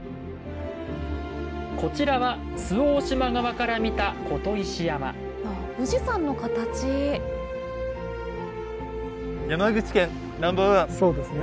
こちらは周防大島側から見た琴石山あ富士山の形そうですね。